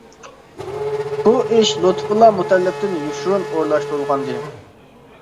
بۇ ئىش لۇتپۇللا مۇتەللىپتىن يوشۇرۇن ئورۇنلاشتۇرۇلغانىدى.